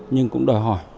nhưng cũng đòi hỏi